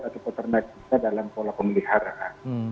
atau peternak kita dalam pola pemeliharaan